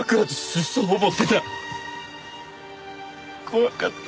怖かった。